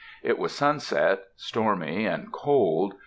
It was sunset, stormy and cold.